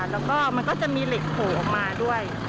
แล้วก็มันก็จะมีเหล็กโผล่ออกมาด้วย